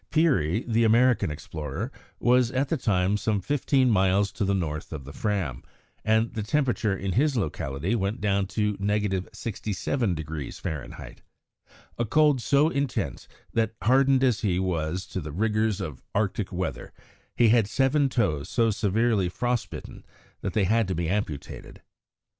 Peary, the American explorer, was at the time some fifteen miles to the north of the Fram, and the temperature in his locality went down to 67° Fahr., a cold so intense that, hardened as he was to the rigours of Arctic weather, he had seven toes so severely frost bitten that they had to be amputated.